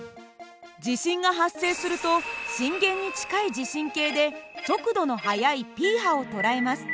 地震が発生すると震源に近い地震計で速度の速いＰ波を捉えます。